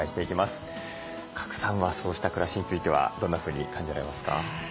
賀来さんはそうした暮らしについてはどんなふうに感じられますか？